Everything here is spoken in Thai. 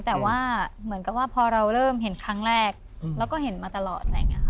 แต่ว่าเหมือนกับว่าพอเราเริ่มเห็นครั้งแรกแล้วก็เห็นมาตลอด